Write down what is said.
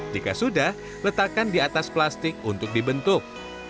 jika sudah letakkan di atas plastik untuk dibentuk